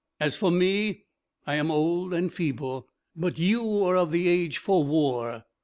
As for me, I am old and feeble; but you are of the age for war.